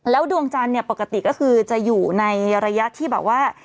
ดวงจันทร์เนี่ยปกติก็คือจะอยู่ในระยะที่แบบว่า